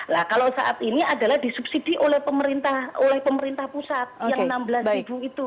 nah kalau saat ini adalah disubsidi oleh pemerintah pusat yang enam belas ribu itu